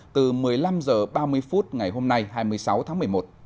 từ một mươi năm h ba mươi phút ngày hôm nay hai mươi sáu tháng một mươi một